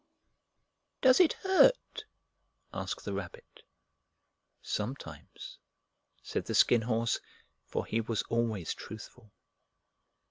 "Does it hurt?" asked the Rabbit. "Sometimes," said the Skin Horse, for he was always truthful.